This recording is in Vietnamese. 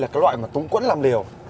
đây là cái loại mà túng quẫn làm liều